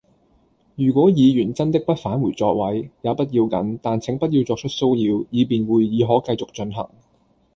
如果議員真的不返回座位，也不要緊，但請不要作出騷擾，以便會議可繼續進行。